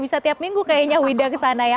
bisa tiap minggu kayaknya wida kesana ya